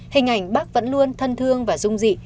hình ảnh bác vẫn luôn thân thương và dung dị